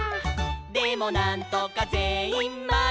「でもなんとかぜんいんまにあって」